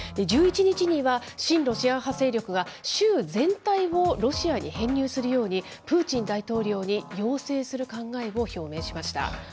１１日には、親ロシア派勢力が州全体をロシアに編入するように、プーチン大統領に要請する考えを表明しました。